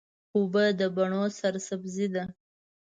اوبه د بڼو سرسبزي ده.